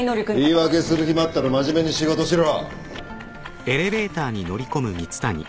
言い訳する暇あったら真面目に仕事しろ。